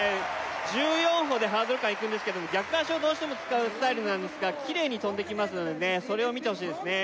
１４歩でハードル間いくんですけど逆脚をどうしても使うスタイルなんですがキレイに跳んできますのでそれを見てほしいですね